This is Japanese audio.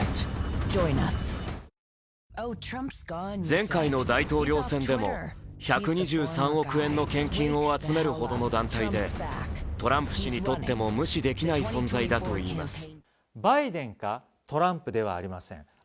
前回の大統領選でも１２３億円の献金を集めるほどの団体で、トランプ氏にとっても無視できない存在だといいます。